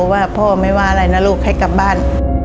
ว่าพ่อไม่ว่าอะไรนะลูกให้กลับบ้าน